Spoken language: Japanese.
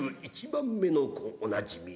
番目の子おなじみ